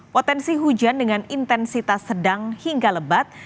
potensi hujan dengan intensitas sedang hingga lebat